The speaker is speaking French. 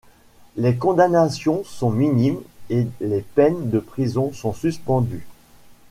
Les condamnations sont minimes et les peines de prison sont suspendues.